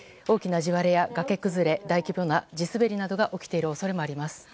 大きな地割れや崖崩れ大規模な地滑りなどが起きている恐れもあります。